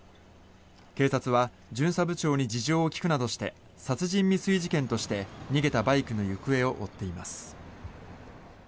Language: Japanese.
警察は巡査部長に事情を聴くなどして殺人未遂事件として逃げたバイクの行方を追っています。